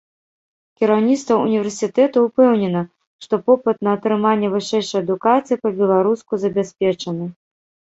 Кіраўніцтва ўніверсітэту ўпэўнена, што попыт на атрыманне вышэйшай адукацыі па-беларуску забяспечаны.